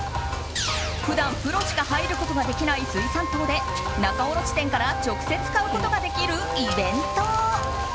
普段プロしか入ることができない水産棟で仲卸店から直接買うことができるイベント。